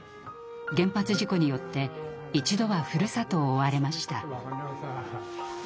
原発事故によって一度はふるさとを追われました。